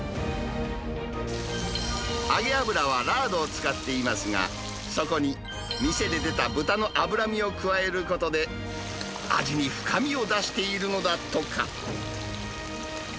揚げ油はラードを使っていますが、そこに店で出た豚の脂身を加えることで、味に深みを出しているのだとか。